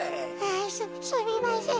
すすみません。